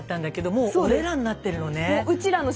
もう「おれら」になってるのね。